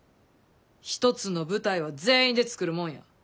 一つの舞台は全員で作るもんや。